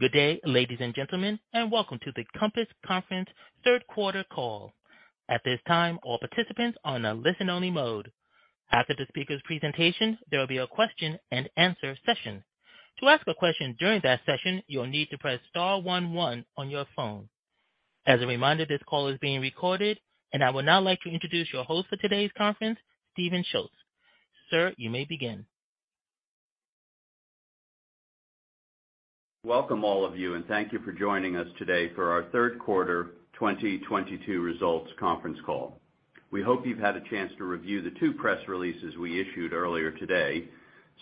Good day, ladies and gentlemen, and welcome to the COMPASS conference third quarter call. At this time, all participants are on a listen-only mode. After the speaker's presentation, there will be a question-and-answer session. To ask a question during that session, you will need to press star one one on your phone. As a reminder, this call is being recorded, and I would now like to introduce your host for today's conference, Stephen Schultz. Sir, you may begin. Welcome all of you, and thank you for joining us today for our third quarter 2022 results conference call. We hope you've had a chance to review the two press releases we issued earlier today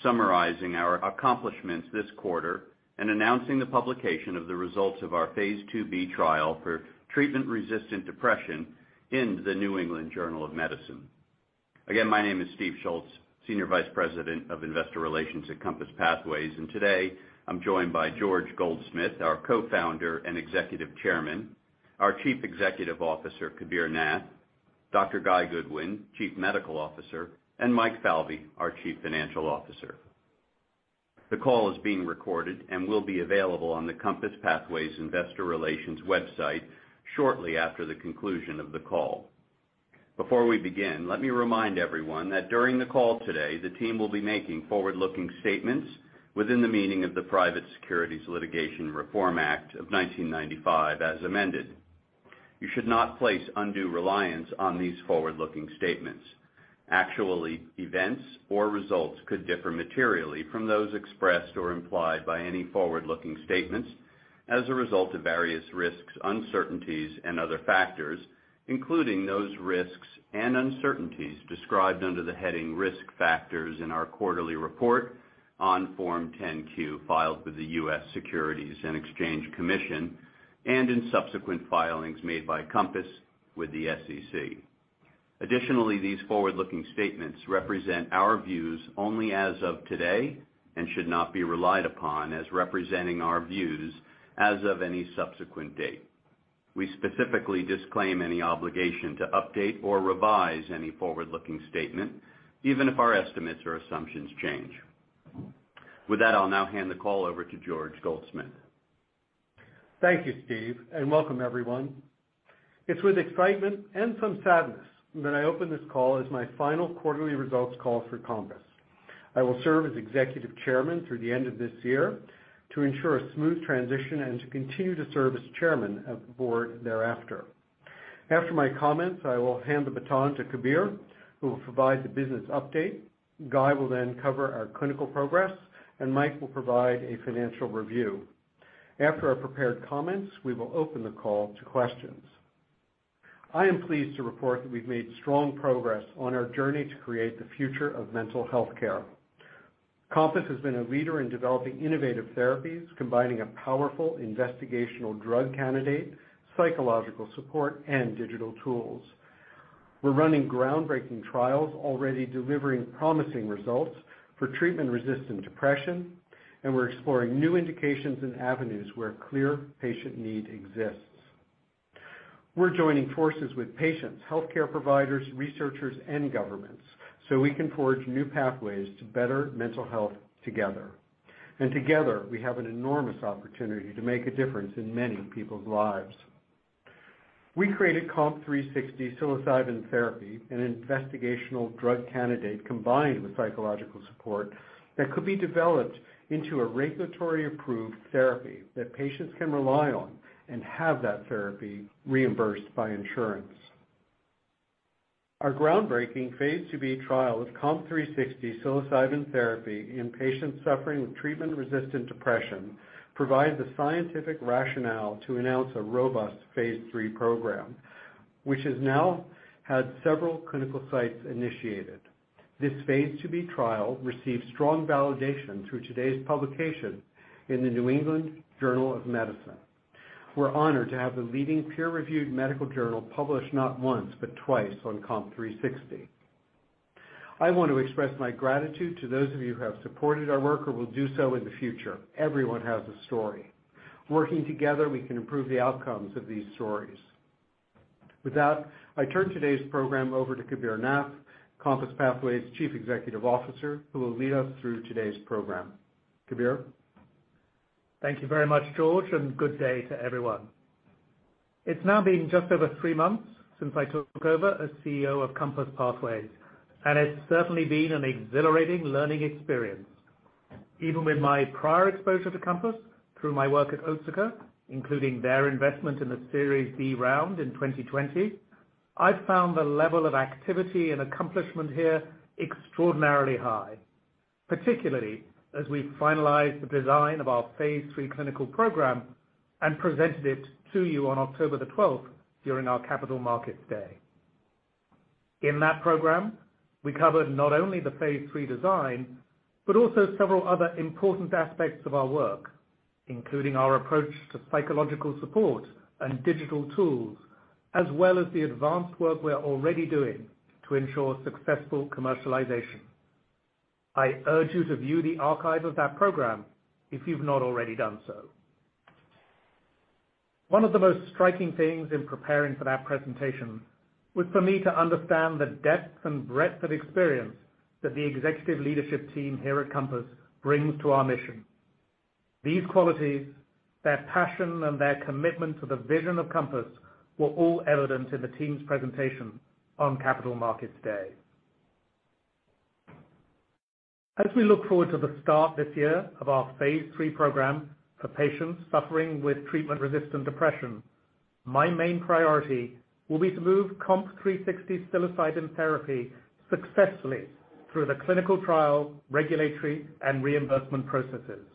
summarizing our accomplishments this quarter and announcing the publication of the results of our phase II-B trial for treatment-resistant depression in the New England Journal of Medicine. Again, my name is Steve Schultz, Senior Vice President of Investor Relations at COMPASS Pathways, and today I'm joined by George Goldsmith, our Co-founder and Executive Chairman, our Chief Executive Officer, Kabir Nath, Dr. Guy Goodwin, Chief Medical Officer, and Mike Falvey, our Chief Financial Officer. The call is being recorded and will be available on the COMPASS Pathways Investor Relations website shortly after the conclusion of the call. Before we begin, let me remind everyone that during the call today, the team will be making forward-looking statements within the meaning of the Private Securities Litigation Reform Act of 1995, as amended. You should not place undue reliance on these forward-looking statements. Actually, events or results could differ materially from those expressed or implied by any forward-looking statements as a result of various risks, uncertainties and other factors, including those risks and uncertainties described under the heading Risk Factors in our quarterly report on Form 10-Q filed with the U.S. Securities and Exchange Commission and in subsequent filings made by COMPASS Pathways with the SEC. Additionally, these forward-looking statements represent our views only as of today and should not be relied upon as representing our views as of any subsequent date. We specifically disclaim any obligation to update or revise any forward-looking statement, even if our estimates or assumptions change. With that, I'll now hand the call over to George Goldsmith. Thank you, Steve, and welcome everyone. It's with excitement and some sadness that I open this call as my final quarterly results call for COMPASS. I will serve as Executive Chairman through the end of this year to ensure a smooth transition and to continue to serve as chairman of the board thereafter. After my comments, I will hand the baton to Kabir, who will provide the business update. Guy will then cover our clinical progress, and Mike will provide a financial review. After our prepared comments, we will open the call to questions. I am pleased to report that we've made strong progress on our journey to create the future of mental health care. COMPASS has been a leader in developing innovative therapies, combining a powerful investigational drug candidate, psychological support and digital tools. We're running groundbreaking trials, already delivering promising results for treatment-resistant depression, and we're exploring new indications and avenues where clear patient need exists. We're joining forces with patients, healthcare providers, researchers, and governments so we can forge new pathways to better mental health together. Together we have an enormous opportunity to make a difference in many people's lives. We created COMP360 psilocybin therapy, an investigational drug candidate combined with psychological support that could be developed into a regulatory-approved therapy that patients can rely on and have that therapy reimbursed by insurance. Our groundbreaking phase II-B trial with COMP360 psilocybin therapy in patients suffering with treatment-resistant depression provides a scientific rationale to announce a robust phase III program, which has now had several clinical sites initiated. This phase II-B trial received strong validation through today's publication in The New England Journal of Medicine. We're honored to have the leading peer-reviewed medical journal publish not once, but twice on COMP360. I want to express my gratitude to those of you who have supported our work or will do so in the future. Everyone has a story. Working together, we can improve the outcomes of these stories. With that, I turn today's program over to Kabir Nath, COMPASS Pathways Chief Executive Officer, who will lead us through today's program. Kabir. Thank you very much, George, and good day to everyone. It's now been just over three months since I took over as CEO of COMPASS Pathways, and it's certainly been an exhilarating learning experience. Even with my prior exposure to COMPASS through my work at Otsuka, including their investment in the series B round in 2020, I found the level of activity and accomplishment here extraordinarily high, particularly as we finalized the design of our phase III clinical program and presented it to you on October the twelfth during our Capital Markets Day. In that program, we covered not only the phase III design, but also several other important aspects of our work, including our approach to psychological support and digital tools, as well as the advanced work we're already doing to ensure successful commercialization. I urge you to view the archive of that program if you've not already done so. One of the most striking things in preparing for that presentation was for me to understand the depth and breadth of experience that the executive leadership team here at COMPASS brings to our mission. These qualities, their passion and their commitment to the vision of COMPASS were all evident in the team's presentation on Capital Markets Day. As we look forward to the start this year of our phase III program for patients suffering with treatment-resistant depression, my main priority will be to move COMP360 psilocybin therapy successfully through the clinical trial, regulatory and reimbursement processes.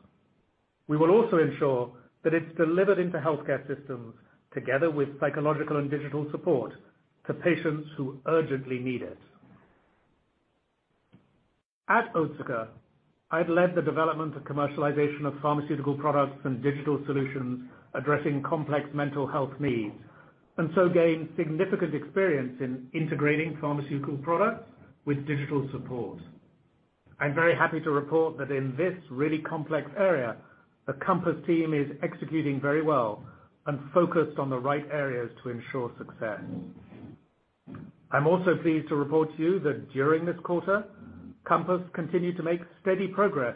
We will also ensure that it's delivered into healthcare systems together with psychological and digital support to patients who urgently need it. At Otsuka, I'd led the development and commercialization of pharmaceutical products and digital solutions addressing complex mental health needs, and so gained significant experience in integrating pharmaceutical products with digital support. I'm very happy to report that in this really complex area, the COMPASS team is executing very well and focused on the right areas to ensure success. I'm also pleased to report to you that during this quarter, COMPASS continued to make steady progress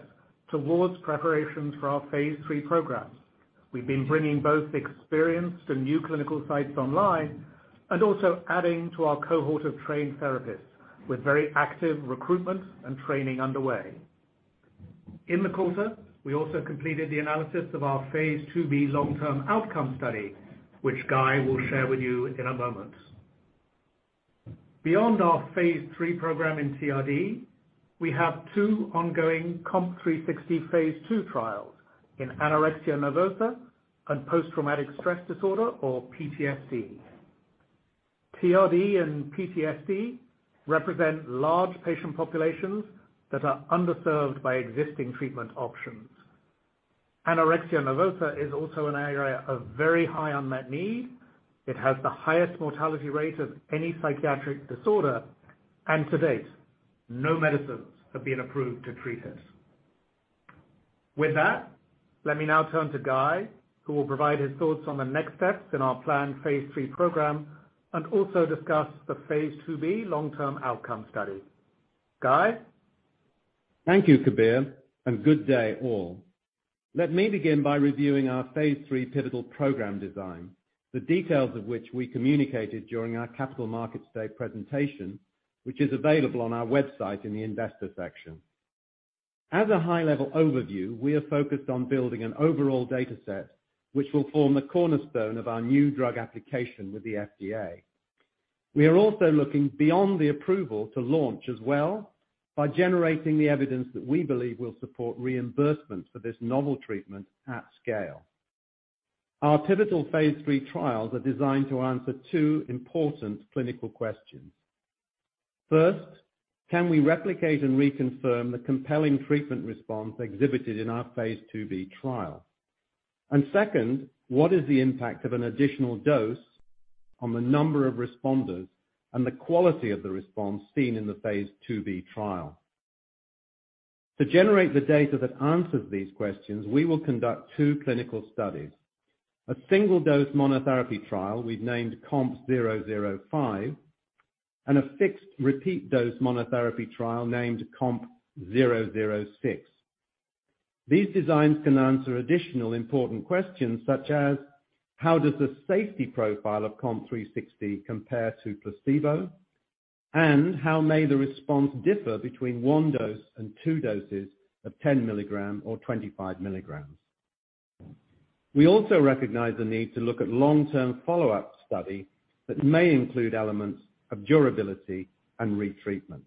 towards preparations for our phase III program. We've been bringing both experienced and new clinical sites online and also adding to our cohort of trained therapists with very active recruitment and training underway. In the quarter, we also completed the analysis of our phase II-B long-term outcome study, which Guy will share with you in a moment. Beyond our phase III program in TRD, we have two ongoing COMP360 phase II trials in anorexia nervosa and post-traumatic stress disorder or PTSD. TRD and PTSD represent large patient populations that are underserved by existing treatment options. Anorexia nervosa is also an area of very high unmet need. It has the highest mortality rate of any psychiatric disorder, and to date, no medicines have been approved to treat it. With that, let me now turn to Guy, who will provide his thoughts on the next steps in our planned phase III program and also discuss the phase II-B long-term outcome study. Guy? Thank you, Kabir, and good day all. Let me begin by reviewing our phase III pivotal program design, the details of which we communicated during our Capital Markets Day presentation, which is available on our website in the investor section. As a high-level overview, we are focused on building an overall data set, which will form the cornerstone of our new drug application with the FDA. We are also looking beyond the approval to launch as well by generating the evidence that we believe will support reimbursement for this novel treatment at scale. Our pivotal phase III trials are designed to answer two important clinical questions. First, can we replicate and reconfirm the compelling treatment response exhibited in our phase II-B trial? Second, what is the impact of an additional dose on the number of responders and the quality of the response seen in the phase II-B trial? To generate the data that answers these questions, we will conduct two clinical studies. A single-dose monotherapy trial we've named COMP005, and a fixed repeat dose monotherapy trial named COMP006. These designs can answer additional important questions such as, how does the safety profile of COMP360 compare to placebo? How may the response differ between one dose and two doses of 10 mg or 25 mg? We also recognize the need to look at long-term follow-up study that may include elements of durability and retreatment.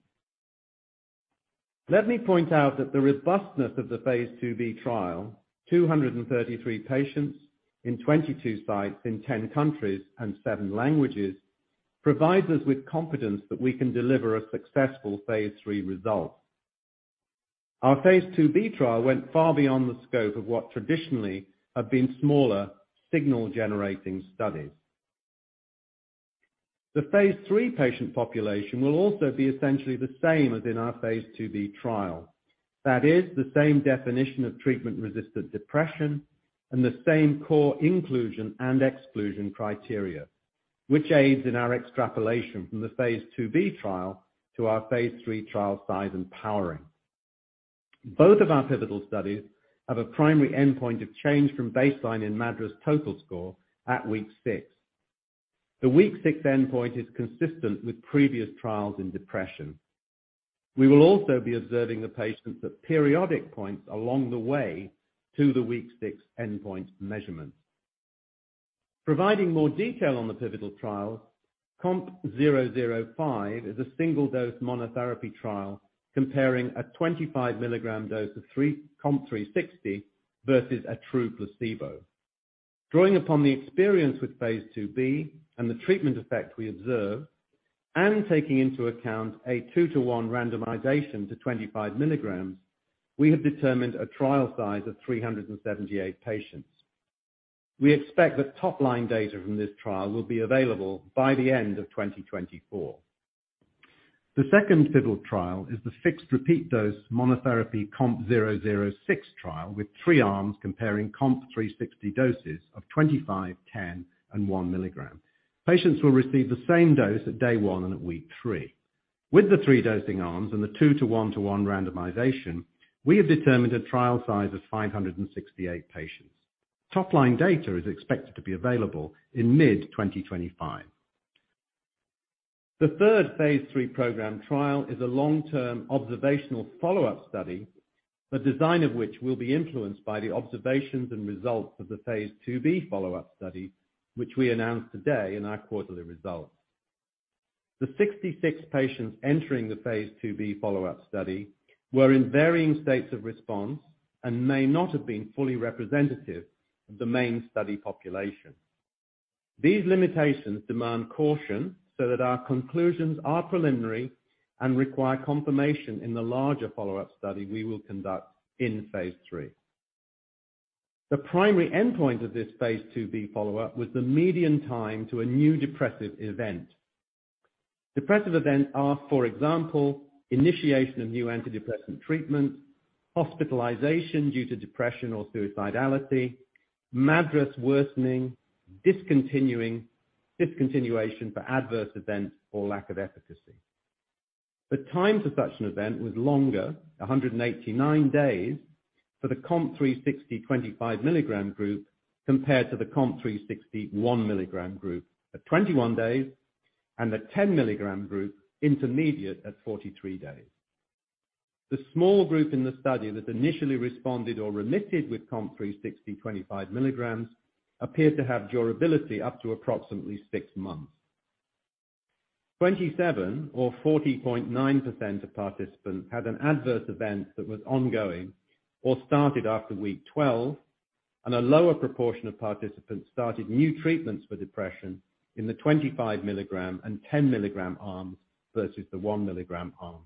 Let me point out that the robustness of the phase II-B trial, 233 patients in 22 sites in 10 countries and seven languages, provides us with confidence that we can deliver a successful phase III result. Our phase II-B trial went far beyond the scope of what traditionally have been smaller signal-generating studies. The phase III patient population will also be essentially the same as in our phase II-B trial. That is the same definition of treatment-resistant depression and the same core inclusion and exclusion criteria, which aids in our extrapolation from the phase II-B trial to our phase III trial size and powering. Both of our pivotal studies have a primary endpoint of change from baseline in MADRS total score at week six. The week six endpoint is consistent with previous trials in depression. We will also be observing the patients at periodic points along the way to the week six endpoint measurements. Providing more detail on the pivotal trials, COMP005 is a single-dose monotherapy trial comparing a 25 mg dose of COMP360 versus a true placebo. Drawing upon the experience with phase II-B and the treatment effect we observe, and taking into account a 2-to-1 randomization to 25 mg, we have determined a trial size of 378 patients. We expect that top-line data from this trial will be available by the end of 2024. The second pivotal trial is the fixed repeat dose monotherapy COMP006 trial with three arms comparing COMP360 doses of 25 mg, 10 mg, and 1 mg. Patients will receive the same dose at day one and at week three. With the three dosing arms and the two to one to one randomization, we have determined a trial size of 568 patients. Top-line data is expected to be available in mid-2025. The third phase III program trial is a long-term observational follow-up study, the design of which will be influenced by the observations and results of the phase II-B follow-up study, which we announced today in our quarterly results. The 66 patients entering the phase II-B follow-up study were in varying states of response and may not have been fully representative of the main study population. These limitations demand caution so that our conclusions are preliminary and require confirmation in the larger follow-up study we will conduct in phase III. The primary endpoint of this phase II-B follow-up was the median time to a new depressive event. Depressive events are, for example, initiation of new antidepressant treatment, hospitalization due to depression or suicidality, MADRS worsening, discontinuation for adverse events or lack of efficacy. The time to such an event was longer, 189 days, for the COMP360 25 mg group compared to the COMP360 1 mg group at 21 days and the 10 mg group intermediate at 43 days. The small group in the study that initially responded or remitted with COMP360 25 mg appeared to have durability up to approximately six months. 27% or 40.9% of participants had an adverse event that was ongoing or started after week 12, and a lower proportion of participants started new treatments for depression in the 25 mg and 10 mg arms versus the 1 mg arm.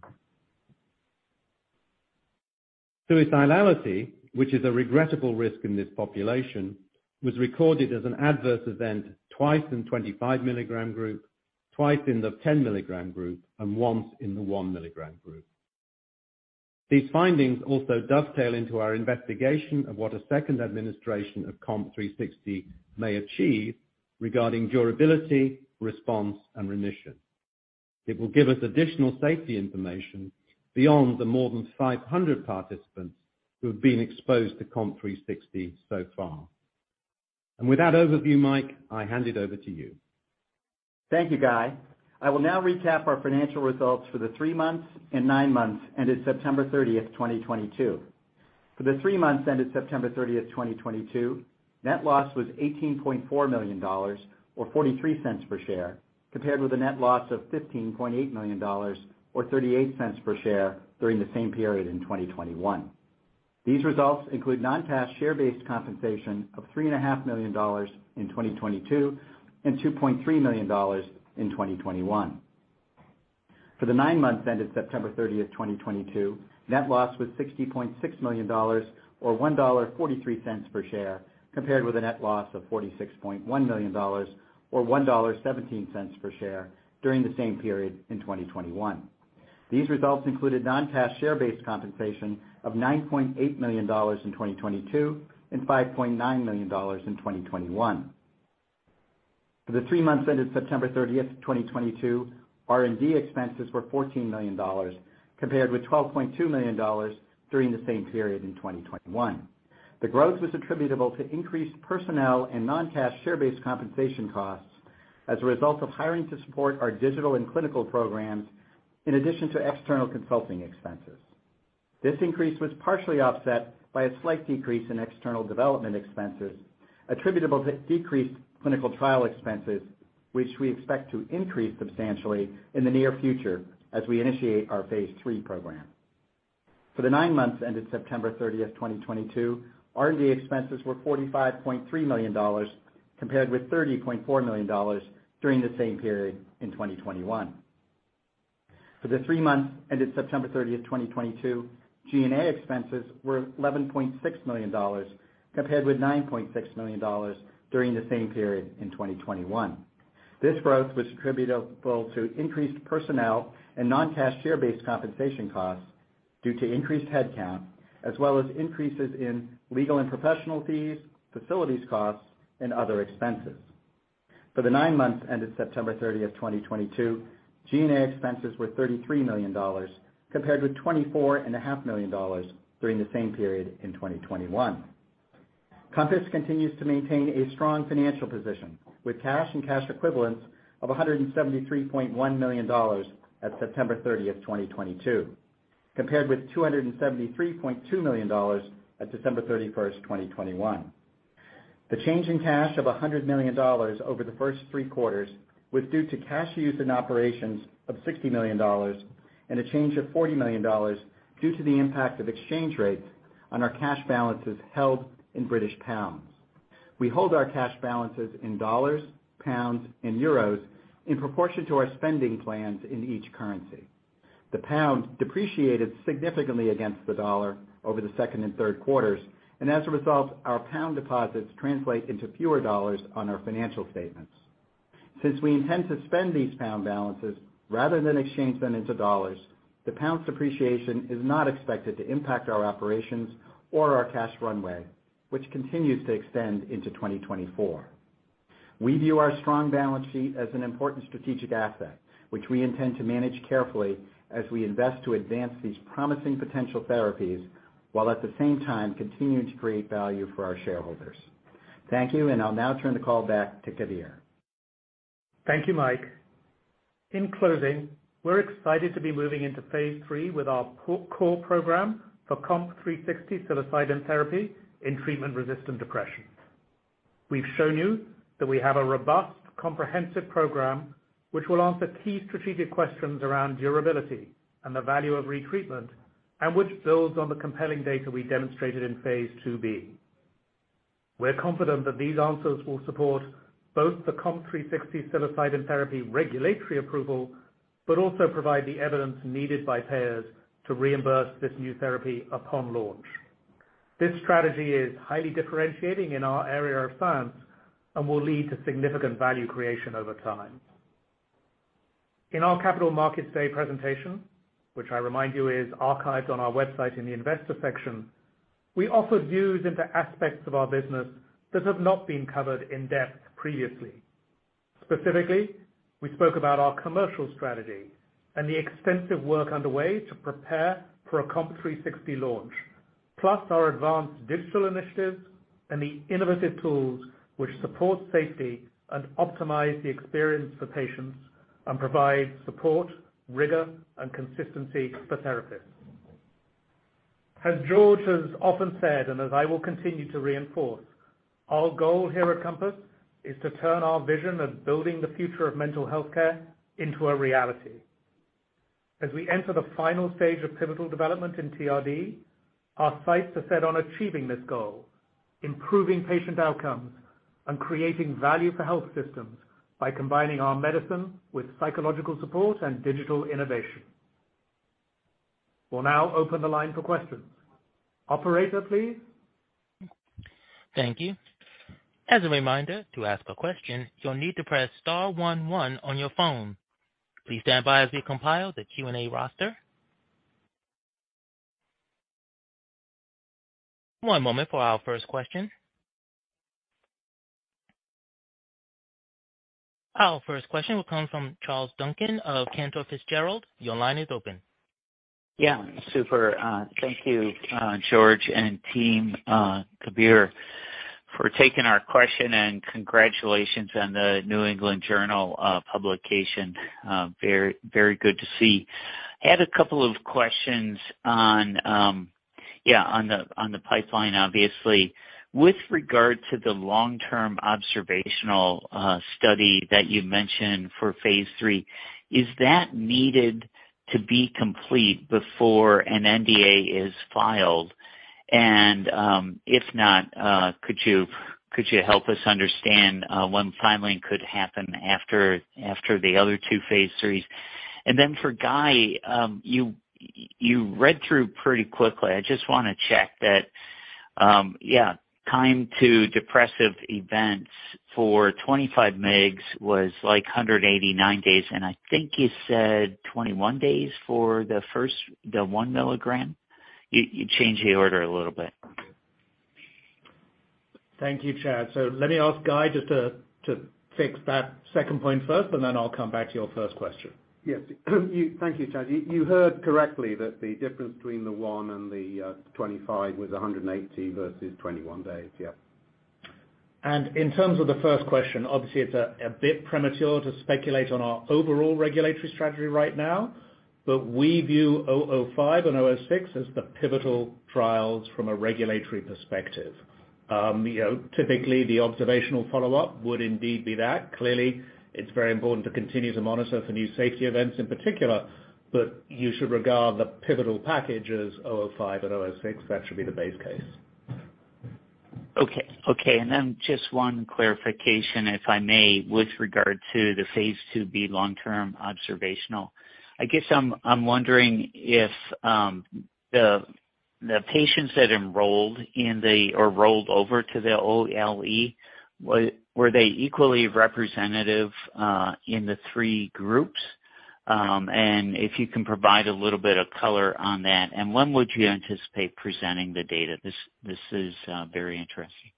Suicidality, which is a regrettable risk in this population, was recorded as an adverse event twice in 25 mg group, twice in the 10 mg group, and once in the 1 mg group. These findings also dovetail into our investigation of what a second administration of COMP360 may achieve regarding durability, response, and remission. It will give us additional safety information beyond the more than 500 participants who have been exposed to COMP360 so far. With that overview, Mike, I hand it over to you. Thank you, Guy. I will now recap our financial results for the three months and nine months ended September 30, 2022. For the three months ended September 30, 2022, net loss was $18.4 million or $0.43 per share, compared with a net loss of $15.8 million or $0.38 per share during the same period in 2021. These results include non-cash share-based compensation of $3.5 million in 2022 and $2.3 million in 2021. For the nine months ended September 30, 2022, net loss was $60.6 million or $1.43 per share, compared with a net loss of $46.1 million or $1.17 per share during the same period in 2021. These results included non-cash share-based compensation of $9.8 million in 2022 and $5.9 million in 2021. For the three months ended September 30, 2022, R&D expenses were $14 million, compared with $12.2 million during the same period in 2021. The growth was attributable to increased personnel and non-cash share-based compensation costs as a result of hiring to support our digital and clinical programs, in addition to external consulting expenses. This increase was partially offset by a slight decrease in external development expenses attributable to decreased clinical trial expenses, which we expect to increase substantially in the near future as we initiate our phase III program. For the nine months ended September 30, 2022, R&D expenses were $45.3 million, compared with $30.4 million during the same period in 2021. For the three months ended September 30, 2022, G&A expenses were $11.6 million, compared with $9.6 million during the same period in 2021. This growth was attributable to increased personnel and non-cash share-based compensation costs due to increased headcount, as well as increases in legal and professional fees, facilities costs, and other expenses. For the nine months ended September 30, 2022, G&A expenses were $33 million, compared with $24.5 million during the same period in 2021. COMPASS continues to maintain a strong financial position, with cash and cash equivalents of $173.1 million at September 30, 2022, compared with $273.2 million at December 31, 2021. The change in cash of $100 million over the first three quarters was due to cash used in operations of $60 million and a change of $40 million due to the impact of exchange rates on our cash balances held in British pounds. We hold our cash balances in dollars, pounds, and euros in proportion to our spending plans in each currency. The pound depreciated significantly against the dollar over the second and third quarters, and as a result, our pound deposits translate into fewer dollars on our financial statements. Since we intend to spend these pound balances rather than exchange them into dollars, the pound's depreciation is not expected to impact our operations or our cash runway, which continues to extend into 2024. We view our strong balance sheet as an important strategic asset, which we intend to manage carefully as we invest to advance these promising potential therapies, while at the same time continuing to create value for our shareholders. Thank you, and I'll now turn the call back to Kabir. Thank you, Mike. In closing, we're excited to be moving into phase III with our core program for COMP360 psilocybin therapy in treatment-resistant depression. We've shown you that we have a robust comprehensive program which will answer key strategic questions around durability and the value of retreatment, and which builds on the compelling data we demonstrated in phase II-B. We're confident that these answers will support both the COMP360 psilocybin therapy regulatory approval, but also provide the evidence needed by payers to reimburse this new therapy upon launch. This strategy is highly differentiating in our area of science and will lead to significant value creation over time. In our Capital Markets Day presentation, which I remind you is archived on our website in the investor section, we offered views into aspects of our business that have not been covered in depth previously. Specifically, we spoke about our commercial strategy and the extensive work underway to prepare for a COMP360 launch. Plus our advanced digital initiatives and the innovative tools which support safety and optimize the experience for patients and provide support, rigor, and consistency for therapists. As George has often said, and as I will continue to reinforce, our goal here at COMPASS is to turn our vision of building the future of mental health care into a reality. As we enter the final stage of pivotal development in TRD, our sights are set on achieving this goal, improving patient outcomes and creating value for health systems by combining our medicine with psychological support and digital innovation. We'll now open the line for questions. Operator, please. Thank you. As a reminder, to ask a question, you'll need to press star one one on your phone. Please stand by as we compile the Q&A roster. One moment for our first question. Our first question will come from Charles Duncan of Cantor Fitzgerald. Your line is open. Yeah, super. Thank you, George and team, Kabir, for taking our question, and congratulations on the New England Journal publication. Very, very good to see. Had a couple of questions on the pipeline, obviously. With regard to the long-term observational study that you mentioned for phase III, is that needed to be complete before an NDA is filed? And if not, could you help us understand when filing could happen after the other two phase IIIs? And then for Guy, you read through pretty quickly. I just wanna check that yeah, time to depressive events for 25 mg was, like, 189 days, and I think you said 21 days for the 1 mg. You changed the order a little bit. Thank you, Charles. Let me ask Guy just to fix that second point first, and then I'll come back to your first question. Yes. Thank you, Charlie. You heard correctly that the difference between the 1 mg and the 25 mg was 180 versus 21 days. Yeah. In terms of the first question, obviously it's a bit premature to speculate on our overall regulatory strategy right now, but we view COMP005 and COMP006 as the pivotal trials from a regulatory perspective. You know, typically the observational follow-up would indeed be that. Clearly, it's very important to continue to monitor for new safety events in particular, but you should regard the pivotal package as COMP005 and COMP006. That should be the base case. Okay, just one clarification, if I may, with regard to the phase II-B long-term observational. I guess I'm wondering if the patients that enrolled or rolled over to the OLE were equally representative in the three groups? If you can provide a little bit of color on that, when would you anticipate presenting the data? This is very interesting.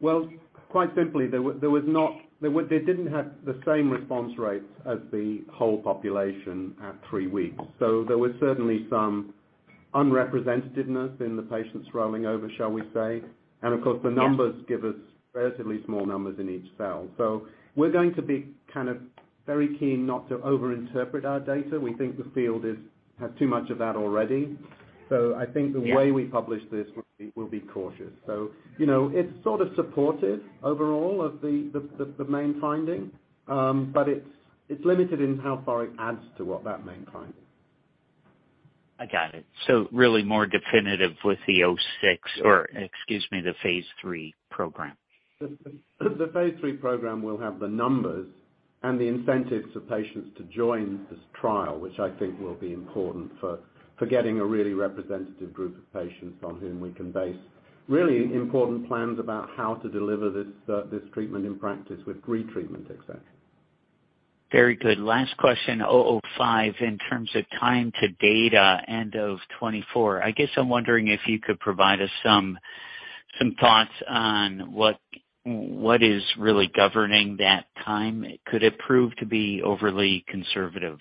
Well, quite simply, they didn't have the same response rates as the whole population at three weeks. There was certainly some unrepresentativeness in the patients rolling over, shall we say. Yeah. Of course, the numbers give us relatively small numbers in each cell. We're going to be kind of very keen not to overinterpret our data. We think the field has too much of that already. Yeah. I think the way we publish this, we'll be cautious. You know, it's sort of supportive overall of the main finding, but it's limited in how far it adds to what that main finding. I got it. Really more definitive with the phase III program. The phase III program will have the numbers and the incentives for patients to join this trial, which I think will be important for getting a really representative group of patients on whom we can base really important plans about how to deliver this treatment in practice with pretreatment, et cetera. Very good. Last question. COMP005 in terms of time to data end of 2024. I guess I'm wondering if you could provide us some thoughts on what is really governing that time. Could it prove to be overly conservative?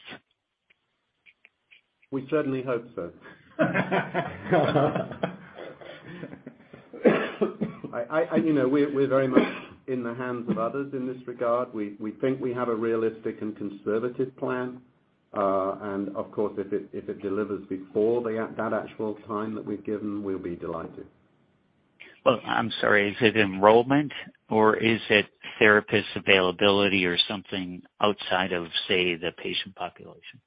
We certainly hope so. I, you know, we're very much in the hands of others in this regard. We think we have a realistic and conservative plan. Of course, if it delivers before that actual time that we've given, we'll be delighted. Well, I'm sorry, is it enrollment or is it therapist availability or something outside of, say, the patient population?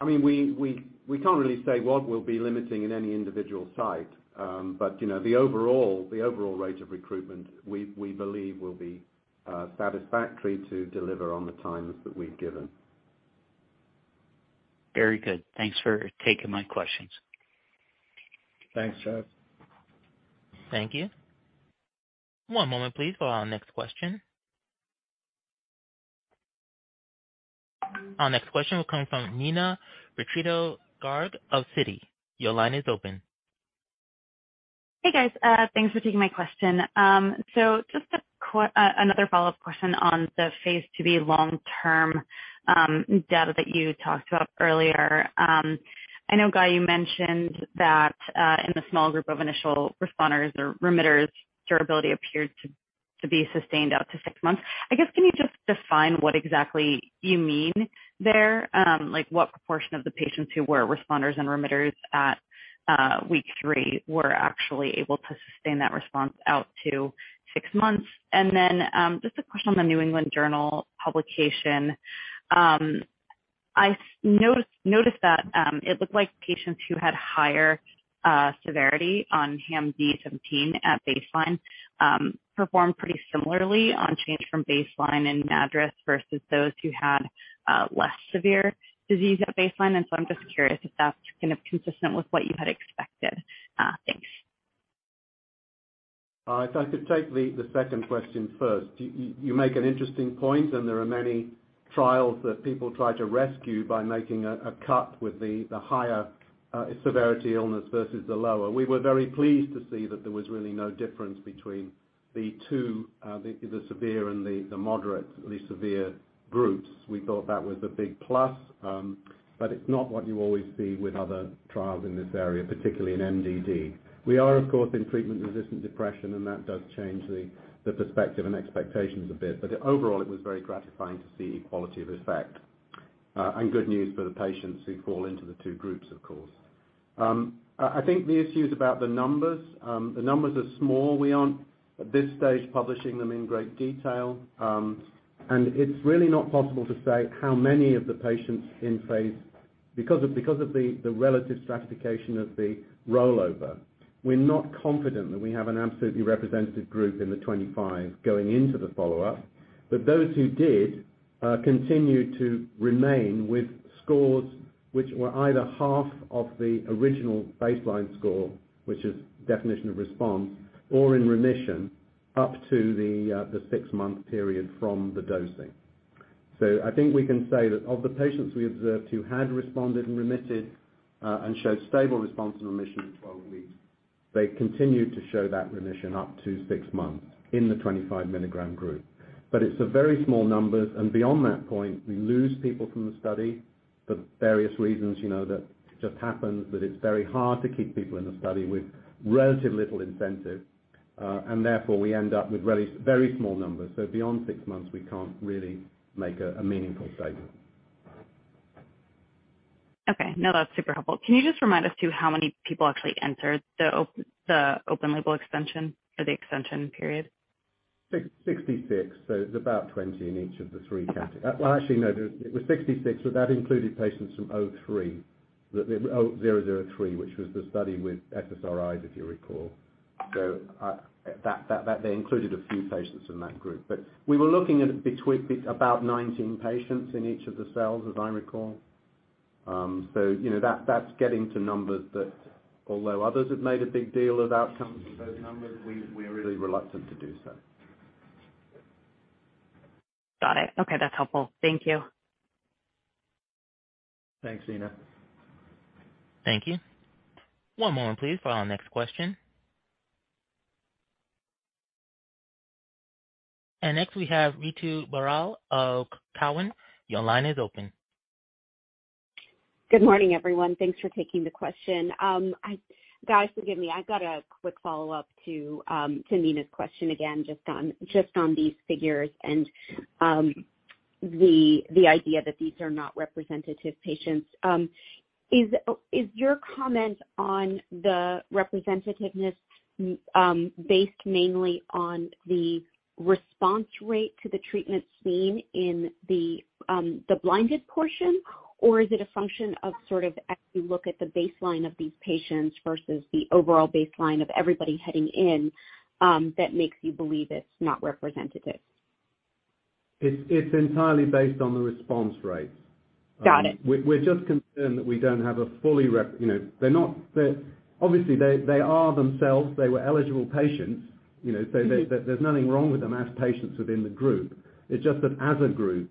I mean, we can't really say what will be limiting in any individual site. You know, the overall rate of recruitment, we believe will be satisfactory to deliver on the time that we've given. Very good. Thanks for taking my questions. Thanks, Chad. Thank you. One moment please for our next question. Our next question will come from Neena Bitritto-Garg of Citi. Your line is open. Hey, guys, thanks for taking my question. Just another follow-up question on the phase II-B long-term data that you talked about earlier. I know, Guy, you mentioned that in the small group of initial responders or remitters, durability appeared to be sustained out to six months. I guess can you just define what exactly you mean there? Like what proportion of the patients who were responders and remitters at week three were actually able to sustain that response out to six months? Just a question on the New England Journal of Medicine publication. I noticed that it looked like patients who had higher severity on HAM-D-17 at baseline performed pretty similarly on change from baseline and MADRS versus those who had less severe disease at baseline. I'm just curious if that's kind of consistent with what you had expected. Thanks. If I could take the second question first. You make an interesting point, and there are many trials that people try to rescue by making a cut with the higher severity illness versus the lower. We were very pleased to see that there was really no difference between the two, the severe and the moderate groups. We thought that was a big plus. It's not what you always see with other trials in this area, particularly in MDD. We are of course in treatment-resistant depression and that does change the perspective and expectations a bit. Overall it was very gratifying to see equality of effect, and good news for the patients who fall into the two groups, of course. I think the issue is about the numbers. The numbers are small. We aren't at this stage publishing them in great detail. It's really not possible to say how many of the patients, because of the relative stratification of the rollover. We're not confident that we have an absolutely representative group in the 25 mgsixgoing into the follow-up. Those who did continue to remain with scores which were either half of the original baseline score, which is definition of response or in remission up to the 6-month period from the dosing. I think we can say that of the patients we observed who had responded and remitted and showed stable response and remission at 12 weeks, they continued to show that remission up to six months in the 25 mg group. It's a very small numbers, and beyond that point, we lose people from the study for various reasons, you know, that just happens that it's very hard to keep people in the study with relative little incentive. And therefore we end up with very, very small numbers. Beyond six months, we can't really make a meaningful statement. Okay. No, that's super helpful. Can you just remind us to how many people actually entered the open-label extension for the extension period? 666. It's about 20 in each of the three categories. Well, actually no, it was 66, but that included patients from COMP003. The COMP003, which was the study with SSRIs, if you recall. That they included a few patients in that group. We were looking at between about 19 patients in each of the cells, as I recall. You know that's getting to numbers that although others have made a big deal of outcomes for those numbers, we're really reluctant to do so. Got it. Okay, that's helpful. Thank you. Thanks, Neena. Thank you. One moment please for our next question. Next we have Ritu Baral of Cowen. Your line is open. Good morning, everyone. Thanks for taking the question. Guy, forgive me, I've got a quick follow-up to Neena's question again just on these figures and the idea that these are not representative patients. Is your comment on the representativeness based mainly on the response rate to the treatment seen in the blinded portion? Or is it a function of sort of as you look at the baseline of these patients versus the overall baseline of everybody heading in that makes you believe it's not representative? It's entirely based on the response rates. Got it. We're just concerned that we don't have. You know, obviously, they are themselves. They were eligible patients, you know. There's nothing wrong with them as patients within the group. It's just that as a group,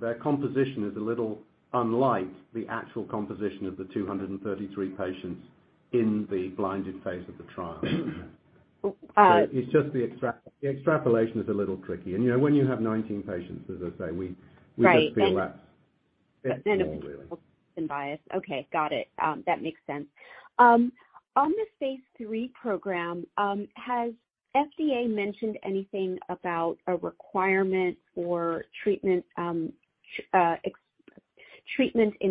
their composition is a little unlike the actual composition of the 233 patients in the blinded phase of the trial. Uh- It's just the extrapolation is a little tricky. You know, when you have 19 patients, as I say, we- Right. We just feel that's a bit small, really. It will introduce some bias. Okay. Got it. That makes sense. On the phase III program, has FDA mentioned anything about a requirement for treatment in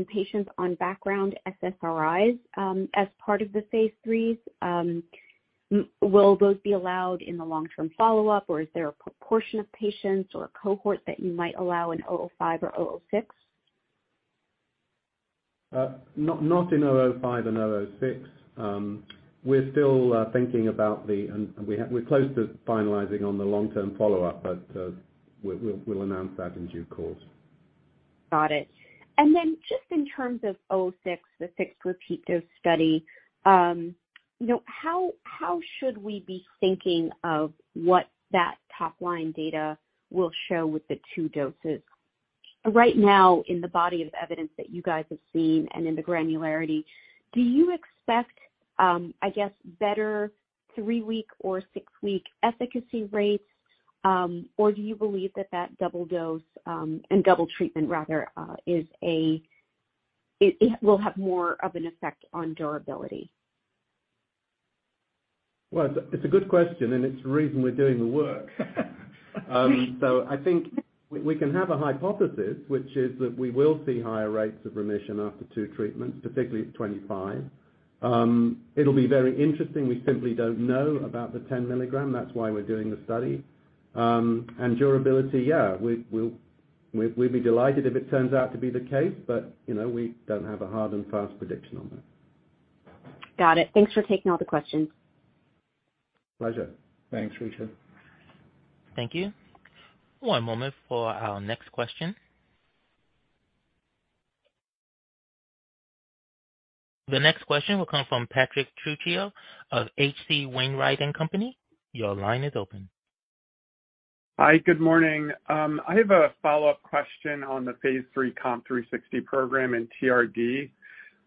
patients on background SSRIs, as part of the phase IIIs? Will those be allowed in the long-term follow-up, or is there a proportion of patients or a cohort that you might allow in COMP005 or COMP006? Not in COMP005 and COMP006. We're close to finalizing on the long-term follow-up, but we'll announce that in due course. Got it. Just in terms of COMP006, the six repeat dose study, you know, how should we be thinking of what that top-line data will show with the two doses? Right now in the body of evidence that you guys have seen and in the granularity, do you expect, I guess, better three-week or six-week efficacy rates? Or do you believe that double dose and double treatment rather, it will have more of an effect on durability? Well, it's a good question, and it's the reason we're doing the work. I think we can have a hypothesis, which is that we will see higher rates of remission after two treatments, particularly at 25 mg. It'll be very interesting. We simply don't know about the 10 mg. That's why we're doing the study. Durability, yeah, we'd be delighted if it turns out to be the case, but, you know, we don't have a hard and fast prediction on that. Got it. Thanks for taking all the questions. Pleasure. Thanks, Ritu. Thank you. One moment for our next question. The next question will come from Patrick Trucchio of H.C. Wainwright & Co. Your line is open. Hi. Good morning. I have a follow-up question on the phase III COMP360 program in TRD.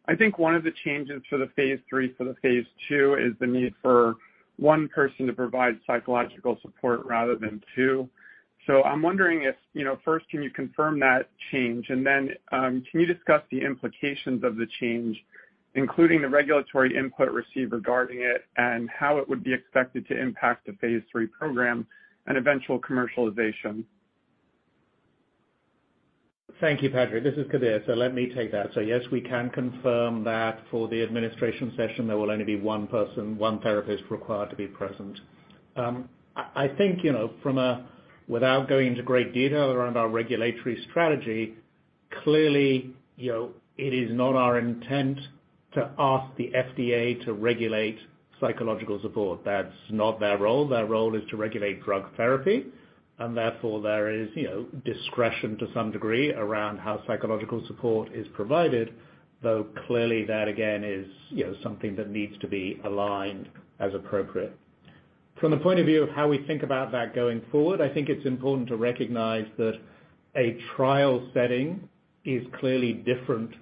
I think one of the changes for the phase III from the phase II is the need for one person to provide psychological support rather than two. I'm wondering if, you know, first can you confirm that change? Can you discuss the implications of the change, including the regulatory input received regarding it and how it would be expected to impact the phase III program and eventual commercialization? Thank you, Patrick. This is Kabir Nath. Let me take that. Yes, we can confirm that for the administration session, there will only be one person, one therapist required to be present. I think, you know, without going into great detail around our regulatory strategy, clearly, you know, it is not our intent to ask the FDA to regulate psychological support. That's not their role. Their role is to regulate drug therapy. Therefore, there is, you know, discretion to some degree around how psychological support is provided, though clearly that again is, you know, something that needs to be aligned as appropriate. From the point of view of how we think about that going forward, I think it's important to recognize that a trial setting is clearly different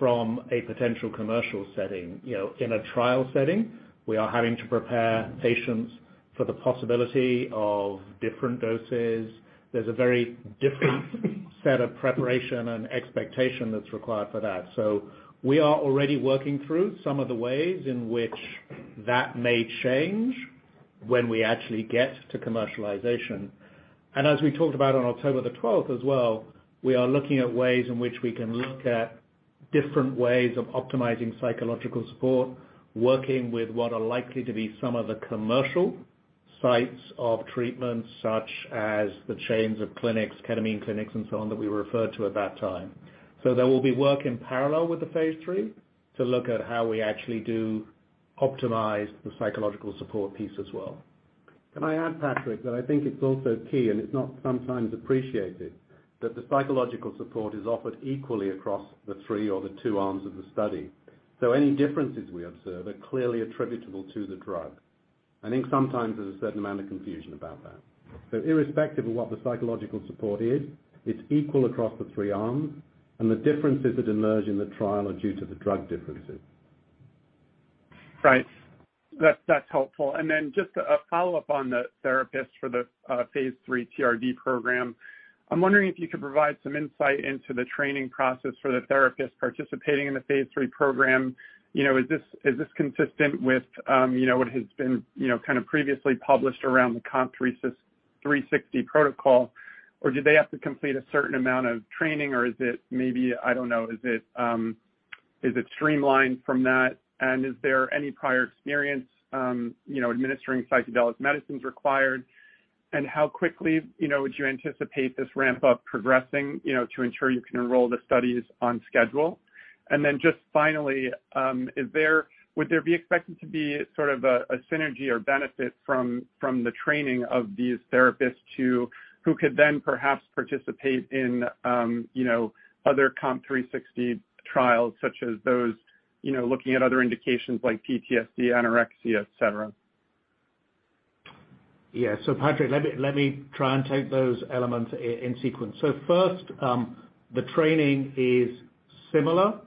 from a potential commercial setting. You know, in a trial setting, we are having to prepare patients for the possibility of different doses. There's a very different set of preparation and expectation that's required for that. We are already working through some of the ways in which that may change when we actually get to commercialization. As we talked about on October the twelfth as well, we are looking at ways in which we can look at different ways of optimizing psychological support, working with what are likely to be some of the commercial sites of treatments such as the chains of clinics, ketamine clinics and so on that we referred to at that time. There will be work in parallel with the phase III to look at how we actually do optimize the psychological support piece as well. Can I add, Patrick, that I think it's also key, and it's not sometimes appreciated, that the psychological support is offered equally across the three or the two arms of the study? Any differences we observe are clearly attributable to the drug. I think sometimes there's a certain amount of confusion about that. Irrespective of what the psychological support is, it's equal across the three arms, and the differences that emerge in the trial are due to the drug differences. Right. That's helpful. Just a follow-up on the therapist for the phase III TRD program. I'm wondering if you could provide some insight into the training process for the therapist participating in the phase III program. You know, is this consistent with you know, what has been you know, kind of previously published around the COMP360 protocol, or do they have to complete a certain amount of training or is it maybe, I don't know, is it streamlined from that? And is there any prior experience you know, administering psychedelic medicines required? And how quickly you know, would you anticipate this ramp up progressing you know, to ensure you can enroll the studies on schedule? Just finally, would there be expected to be sort of a synergy or benefit from the training of these therapists who could then perhaps participate in, you know, other COMP360 trials such as those, you know, looking at other indications like PTSD, anorexia, et cetera? Yeah. Patrick, let me try and take those elements in sequence. First, the training is similar